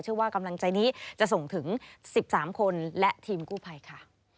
ว่ากำลังใจนี้จะส่งถึง๑๓คนและทีมกู้ภัยค่ะ